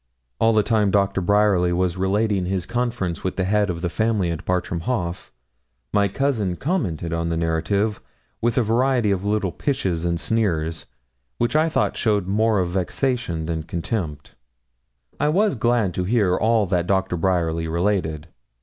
All the time Doctor Bryerly was relating his conference with the head of the family at Bartram Haugh my cousin commented on the narrative with a variety of little 'pishes' and sneers, which I thought showed more of vexation than contempt. I was glad to hear all that Doctor Bryerly related.